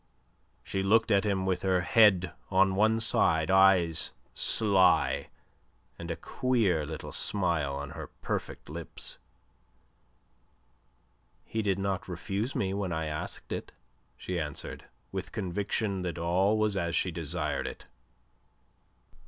She looked at him with her head on one side, eyes sly and a queer little smile on her perfect lips. "He did not refuse me when I asked it," she answered, with conviction that all was as she desired it.